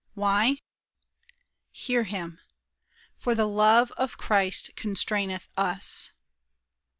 Why? Hear him: 'For the love of Christ constraineth us.'"